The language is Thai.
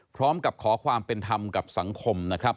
พร้อมกับขอความเป็นธรรมกับสังคมนะครับ